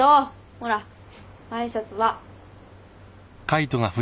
ほら挨拶は？